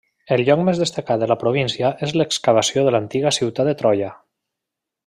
El lloc més destacat de la província és l'excavació de l'antiga ciutat de Troia.